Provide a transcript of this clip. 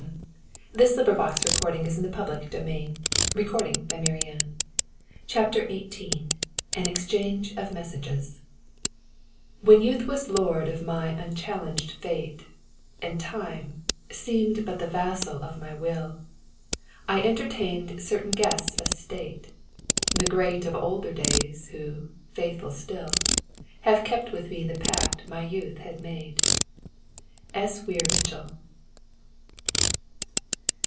Then with a smile on his face he strode away to find Oscar and the horses. CHAPTER XVIII AN EXCHANGE OF MESSAGES When youth was lord of my unchallenged fate, And time seemed but the vassal of my will, I entertained certain guests of state The great of older days, who, faithful still, Have kept with me the pact my youth had made. S. Weir Mitchell.